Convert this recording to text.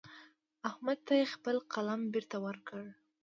احمد ته يې خپل قلم بېرته ورکړ.